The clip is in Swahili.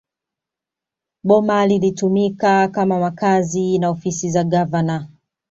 Boma lilitumika kama makazi na ofisi za gavana